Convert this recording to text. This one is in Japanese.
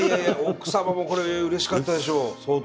奥様もこれうれしかったでしょう相当。